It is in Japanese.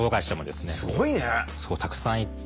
すごいたくさん行って。